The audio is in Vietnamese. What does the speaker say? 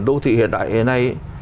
đô thị hiện đại hồi nay